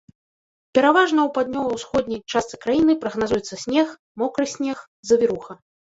Пераважна у паўднёва-ўсходняй частцы краіны прагназуецца снег, мокры снег, завіруха.